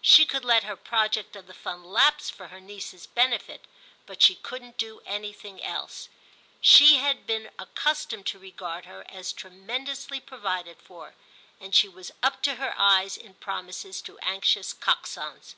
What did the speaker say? She could let her project of the Fund lapse for her niece's benefit, but she couldn't do anything else. She had been accustomed to regard her as tremendously provided for, and she was up to her eyes in promises to anxious Coxons.